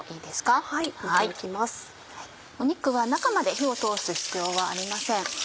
肉は中まで火を通す必要はありません。